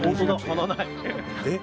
えっ？